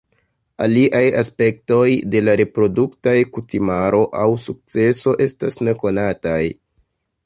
Aliaj aspektoj de la reproduktaj kutimaro aŭ sukceso estas nekonataj.